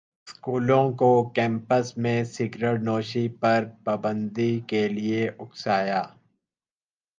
سکولوں کو کیمپس میں سگرٹنوشی پر پابندی کے لیے اکسایا